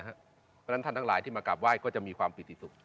เพราะฉะนั้นท่านทั้งหลายที่มากราบไห้ก็จะมีความปิติสุข